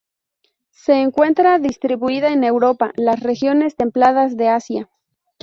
Se encuentra distribuida en Europa, las regiones templadas de Asia.